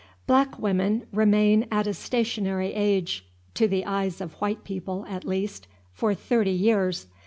Black women remain at a stationary age (to the eyes of white people, at least) for thirty years.